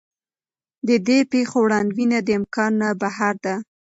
د دې پېښو وړاندوینه د امکان نه بهر ده.